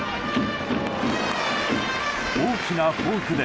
大きなフォークで。